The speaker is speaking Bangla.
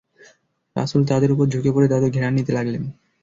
রাসূল তাদের উপর ঝুঁকে পড়ে তাদের ঘ্রাণ নিতে লাগলেন।